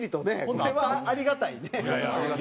これはありがたいね。